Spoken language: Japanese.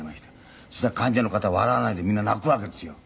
「そしたら患者の方笑わないでみんな泣くわけですよ」